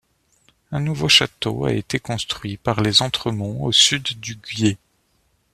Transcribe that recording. Un nouveau château a été construit par les Entremonts au sud du Guiers.